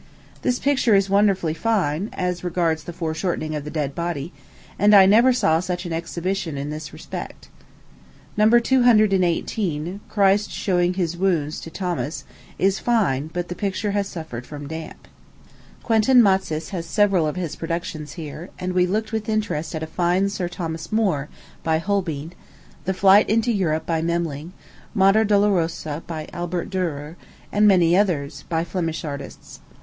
This picture is wonderfully fine, as regards the foreshortening of the dead body; and I never saw such an exhibition in this respect. No. 218 Christ showing his Wounds to Thomas is fine; but the picture has suffered from damp. Quentin Matsys has several of his productions here, and we looked with interest at a fine Sir Thomas More, by Holbein; the Flight into Egypt, by Memling; Mater Dolorosa, by Albert Durer; and many interiors, by Flemish artists.